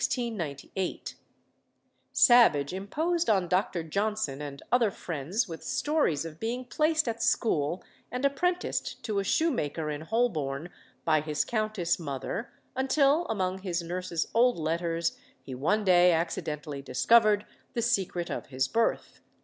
Savage imposed on Dr. Johnson and other friends with stories of being placed at school and apprenticed to a shoemaker in Holborn by his countess mother, until among his nurse's old letters he one day accidentally discovered the secret of his birth.